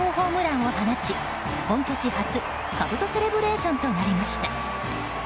大谷選手が第３号ホームランを放ち本拠地初かぶとセレブレーションとなりました。